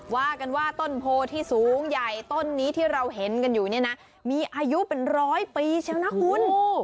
ว่ากันว่าต้นโพที่สูงใหญ่ต้นนี้ที่เราเห็นกันอยู่เนี่ยนะมีอายุเป็นร้อยปีเชียวนะคุณ